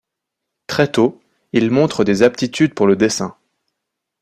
Très tôt, il montre des aptitudes pour le dessin.